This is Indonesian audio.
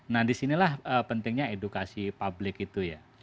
nah disinilah pentingnya edukasi publik itu ya